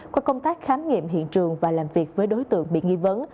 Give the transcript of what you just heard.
qua công tác khám nghiệm hiện trường và làm việc với đối tượng bị nghi vấn